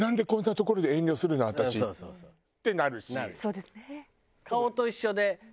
そうですね。